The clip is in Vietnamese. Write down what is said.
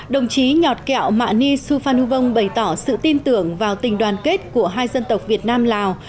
đồng chí nhọt kẹo mạng ni suphanuvong bày tỏ sự tin tưởng vào tình đoàn kết của hai dân tộc việt nam lào